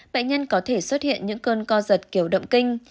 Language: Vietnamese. bệnh nhân có thể xuất hiện những cơn co giật kiểu động kinh